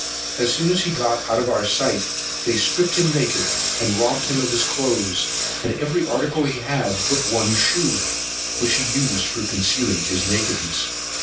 As soon as he got out of our sight, they stripped him naked, and robbed him of his cloaths, and every article he had, but one shoe, which he used for concealing his nakedness.